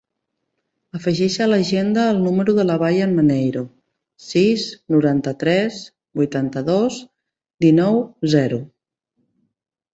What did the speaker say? Afegeix a l'agenda el número de la Bayan Maneiro: sis, noranta-tres, vuitanta-dos, dinou, zero.